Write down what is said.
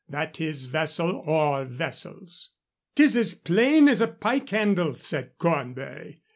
that his vessel or vessels "'Tis as plain as a pike handle," said Cornbury.